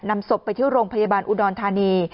นำศพไปที่โรงพยาบาลอุดรธานี